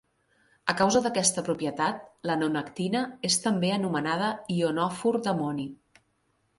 A causa d'aquesta propietat, la nonactina és també anomenada "ionòfor d'amoni".